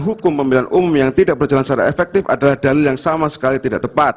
hukum pemilihan umum yang tidak berjalan secara efektif adalah dalil yang sama sekali tidak tepat